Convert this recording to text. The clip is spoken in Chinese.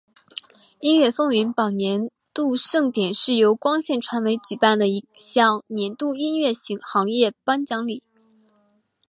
音乐风云榜年度盛典是由光线传媒举办的一项年度音乐行业颁奖礼。